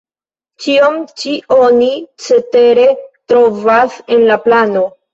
Ĉion ĉi oni cetere trovas en la plano.